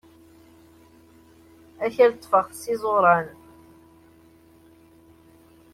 Akal ṭṭfeɣ-t s yiẓuran.